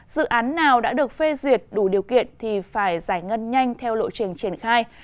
dự án nào đã được phê duyệt đủ điều kiện thì phải giải ngân nhanh theo lộ trình triển khai